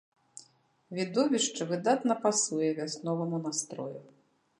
Відовішча выдатна пасуе вясноваму настрою.